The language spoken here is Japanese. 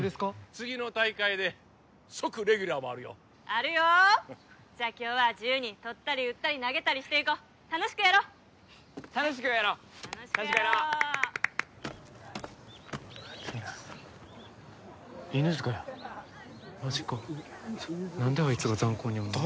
次の大会で即レギュラーもあるよあるよじゃ今日は自由に捕ったり打ったり投げたりしていこう楽しくやろう楽しくやろう楽しくやろうあっついな犬塚やマジか何であいつがザン高におんの？